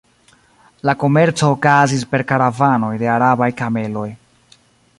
La komerco okazis per karavanoj de arabaj kameloj.